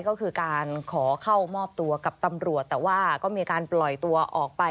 ก็คือการขอเข้ามอบตัวกับตำรวจแต่ว่าก็มีการปล่อยตัวออกไป